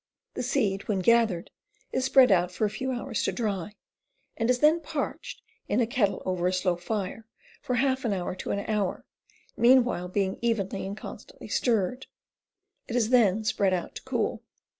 The seed, when gathered, is spread out for a few hours to dry, and is then parched in a kettle over a slow fire for half an hour to an hour, meanwhile being evenly and constantly stirred. It is then spread out to cool.